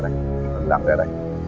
nằm bên đây